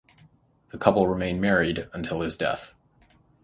The couple remained married until his death.